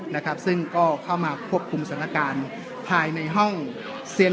นะครับซึ่งก็เข้ามาควบคุมสถานการณ์ภายในห้องเซียน